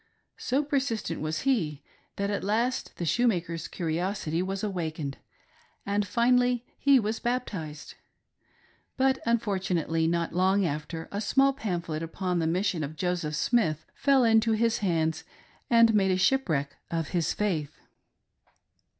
So persistent was he that at last the shoemaker's curiosity was awakened, and iinally he was baptized ; but unfortunately, not long after, a small pamphlet upon the mission of Joseph Smith fell into his hands and made shipwreck of his faith.